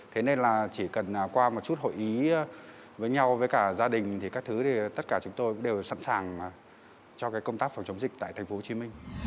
thế nên là chỉ cần qua một chút hội ý với nhau với cả gia đình thì các thứ thì tất cả chúng tôi đều sẵn sàng cho cái công tác phòng chống dịch tại tp hcm